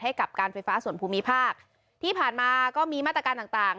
ให้กับการไฟฟ้าส่วนภูมิภาคที่ผ่านมาก็มีมาตรการต่างต่าง